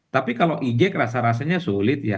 tapi kalau ijek rasa rasanya sulit ya